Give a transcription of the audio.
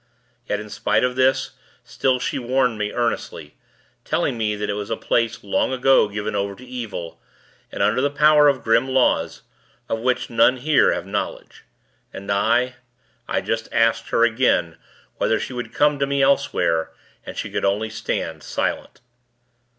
Yet, in spite of this, still she warned me, earnestly; telling me that it was a place, long ago given over to evil, and under the power of grim laws, of which none here have knowledge. And I I just asked her, again, whether she would come to me elsewhere, and she could only stand, silent.